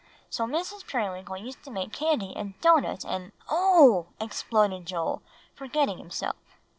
So Mrs. Periwinkle used to make candy and doughnuts and" "Oo!" exploded Joel, forgetting himself.